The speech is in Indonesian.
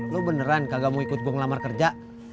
lu beneran kagak mau ikut gue ngelamar kerja